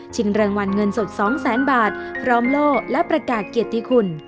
รางวัลเงินสด๒แสนบาทพร้อมโล่และประกาศเกียรติคุณ